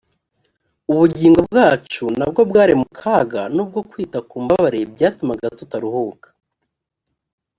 ubugingo bwacu na bwo bwari mu kaga n’ubwo kwita ku mbabare byatumaga tutaruhuka